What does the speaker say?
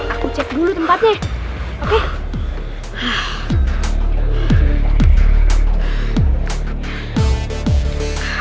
aku cek dulu tempatnya oke